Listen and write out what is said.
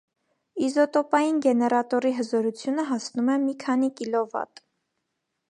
Իզոտոպային գեներատորի հզորությունը հասնում է մի քանի կվտ.։